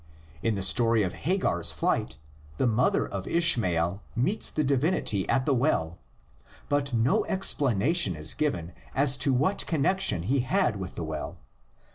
In the story of Hagar's flight, the mother of Ishmael meets the divinity at the well, but no explanation is given as to what connexion he had with the well.